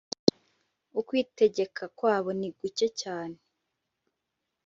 Ukwitegeka kwabo ni guke cyane